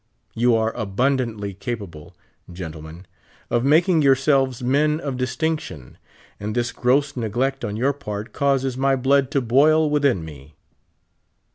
You are abundantly capable, gentle men, of making yourselves men of distinction ; and this gross neglect on your part causes my blood to boil within me.